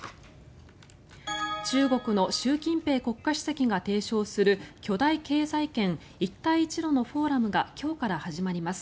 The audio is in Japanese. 中国の習近平国家主席が提唱する巨大経済圏一帯一路のフォーラムが今日から始まります。